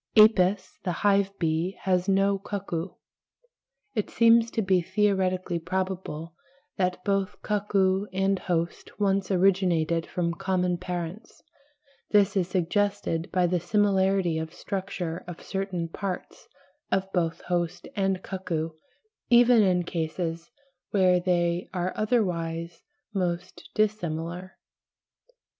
Apis (the hive bee) has no cuckoo. It seems to be theoretically probable that both cuckoo and host once originated from common parents; this is suggested by the similarity of structure of certain parts of both host and cuckoo, even in cases where they are otherwise most dissimilar.